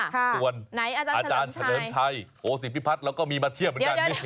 ส่วนอาจารย์เฉลิมชัยโอศิพิพัฒน์เราก็มีมาเทียบเหมือนกัน